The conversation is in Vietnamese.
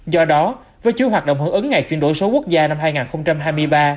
do đó với chứa hoạt động hưởng ứng ngày chuyển đổi số quốc gia năm hai nghìn hai mươi ba